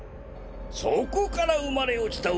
そこから生まれ落ちた